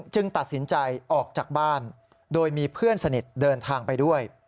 ตัดสินใจออกจากบ้านโดยมีเพื่อนสนิทเดินทางไปด้วย